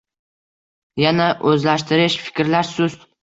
Yana o‘zlashtirish, fikrlash sust.